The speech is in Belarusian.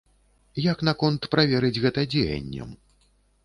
Як наконт праверыць гэта дзеяннем?